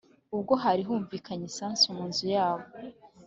ubwo hari humvikanye isasu munzu yabo